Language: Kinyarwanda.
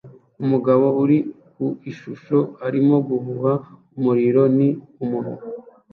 umugabo uri ku ishusho arimo guhuha umuriro ni umunwa